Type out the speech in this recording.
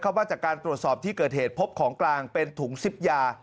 ว่าจากการตรวจสอบที่เกิดเหตุพบของกลางเป็นถุงซิปยา